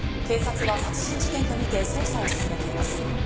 警察は殺人事件とみて捜査を進めています。